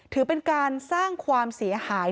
ถือเป็นการสร้างความเสียหาย